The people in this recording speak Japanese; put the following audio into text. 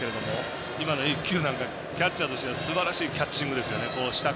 今の１球なんかキャッチャーとしてはすばらしいキャッチングですよね。